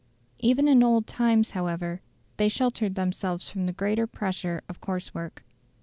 Even in old times, however, they sheltered themselves from the greater pressure of coarse work.